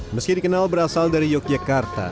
meski dikenal berasal dari yogyakarta